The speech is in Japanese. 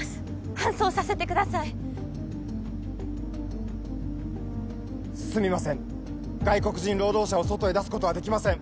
搬送させてくださいすみません外国人労働者を外へ出すことはできません